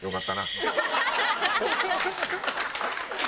ハハハハ！